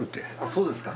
そうですか。